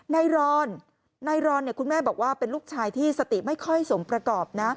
รอนนายรอนคุณแม่บอกว่าเป็นลูกชายที่สติไม่ค่อยสมประกอบนะ